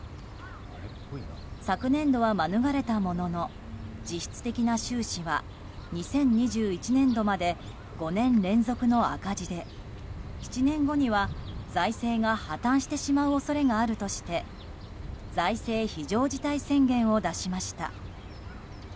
昨年度は免れたものの実質的な収支は２０２１年度まで５年連続の赤字で７年後には、財政が破綻してしまう恐れがあるとして財政非常事態宣言を出しました。